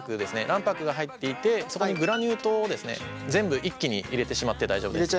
卵白が入っていてそこにグラニュー糖をですね全部一気に入れてしまって大丈夫です。